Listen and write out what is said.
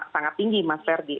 sangat tinggi mas ferdi